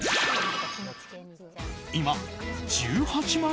今、１８万